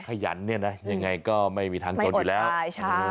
ขยันเนี่ยนะยังไงก็ไม่มีทางจนอยู่แล้วใช่ใช่